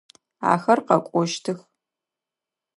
Ахэр къэкӏощтых.